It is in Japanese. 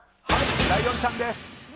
ライオンちゃんです。